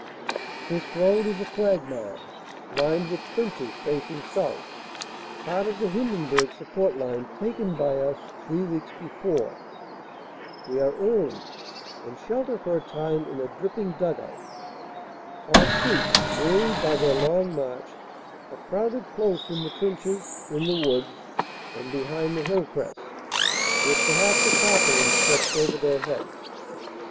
This road is a quagmire, lined with trenches facing south, part of the Hindenburg Support line taken by us three weeks before. We are early and shelter for a time in a dripping dug out. Our troops, wearied by their long march, are crowded close in the trenches, in the woods, and behind the hill crests, with perhaps a tarpaulin stretched over their heads.